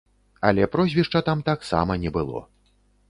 Але прозвішча там таксама не было.